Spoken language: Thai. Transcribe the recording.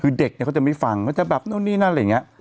คือเด็กเนี่ยเขาจะไม่ฟังเขาจะแบบนู่นนี่นั่นอะไรอย่างนี้